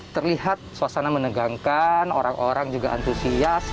terlihat suasana menegangkan orang orang juga antusias